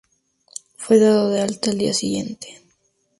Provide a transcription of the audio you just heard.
Fue dado de alta al día siguiente.